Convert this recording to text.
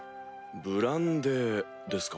ブランデーですか。